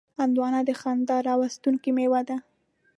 هندوانه د خندا راوستونکې میوه ده.